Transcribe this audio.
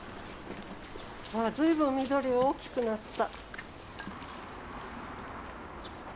あら随分緑が大きくなった。